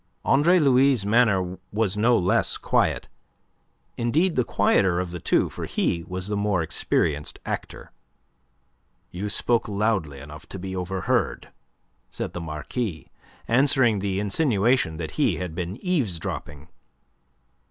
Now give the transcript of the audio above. Andre Louis' manner was no less quiet, indeed the quieter of the two, for he was the more experienced actor. "You spoke loudly enough to be overheard," said the Marquis, answering the insinuation that he had been eavesdropping.